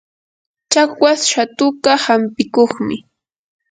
chakwas shatuka hampikuqmi.